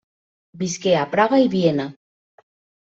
Visqué a Praga i Viena.